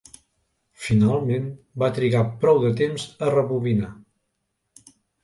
Finalment, va trigar prou de temps a rebobinar.